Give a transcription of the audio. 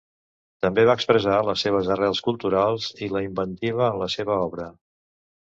També va expressar les seves arrels culturals i la inventiva en la seva obra.